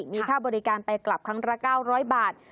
มีค่าบริการไปกลับครั้งละ๙๐๐บาท